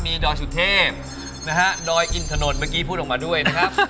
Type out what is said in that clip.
ดอยสุเทพนะฮะดอยอินถนนเมื่อกี้พูดออกมาด้วยนะครับ